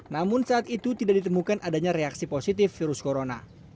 namun saat itu tidak ditemukan adanya reaksi positif virus corona